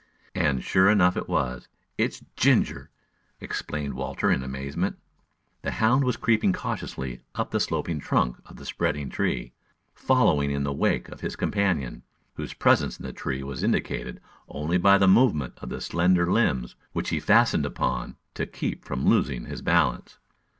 And, sure enough, it was. "It's Ginger!" exclaimed Walter in amazement. The hound was creeping cautiously up the sloping trunk of the spreading tree, following in the wake of his companion, whose presence in the tree was indicated only by the movement of the slender limbs which he fastened upon to keep from losing his balance.